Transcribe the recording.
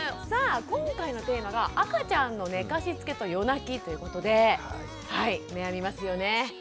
さあ今回のテーマが「赤ちゃんの寝かしつけと夜泣き」ということではい悩みますよね。